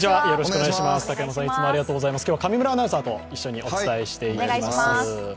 今日は上村アナウンサーと一緒にお伝えしていきます。